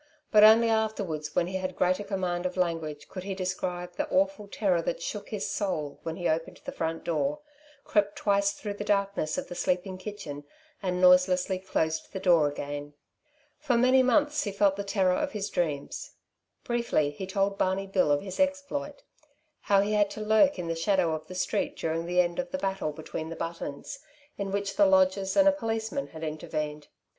But only afterwards, when he had greater command of language, could he describe the awful terror that shook his soul when he opened the front door, crept twice through the darkness of the sleeping kitchen and noiselessly closed the door again. For many months he felt the terror of his dreams. Briefly he told Barney Bill of his exploit. How he had to lurk in the shadow of the street during the end of a battle between the Buttons, in which the lodgers and a policeman had intervened.